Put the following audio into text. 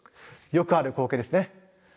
よくある光景ですね。